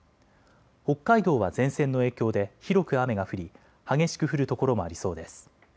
北海道は前線の影響で広く雨が降り激しく降る所もありそうです。